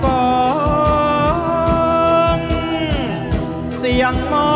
กลับไปที่นี่